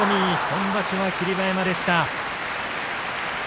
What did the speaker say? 今場所は霧馬山でした。